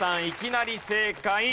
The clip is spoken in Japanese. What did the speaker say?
いきなり正解。